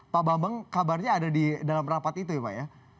pak bambang kabarnya ada di dalam rapat itu ya pak ya